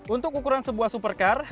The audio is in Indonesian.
untuk ukuran sebuah supercar